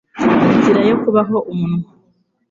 Inzira yo kubaho, umunwa.